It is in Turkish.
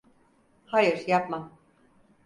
Hayır, yapmam.